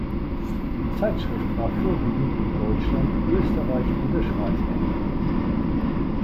Die Zeitschrift war vorwiegend in Deutschland, Österreich und der Schweiz erhältlich.